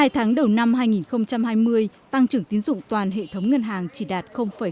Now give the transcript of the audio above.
hai tháng đầu năm hai nghìn hai mươi tăng trưởng tiến dụng toàn hệ thống ngân hàng chỉ đạt bốn